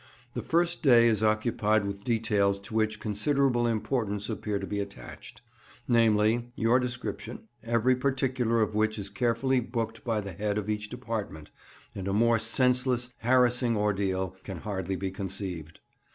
The first day is occupied with details to which considerable importance appear to be attached—namely, your description—every particular of which is carefully booked by the head of each department, and a more senseless, harassing ordeal can hardly be conceived.